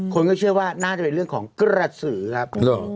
คนก็เชื่อว่าน่าจะเป็นเรื่องของกระสือครับ